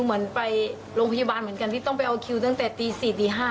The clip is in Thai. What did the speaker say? เหมือนไปโรงพยาบาลเหมือนกันที่ต้องไปเอาคิวตั้งแต่ตี๔ตี๕